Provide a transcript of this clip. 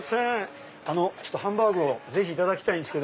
ハンバーグをいただきたいです。